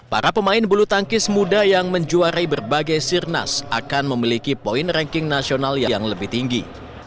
para pemain bulu tangkis muda yang menjuarai berbagai sirnas akan memiliki poin ranking nasional yang lebih tinggi